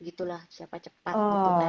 gitulah siapa cepat gitu kan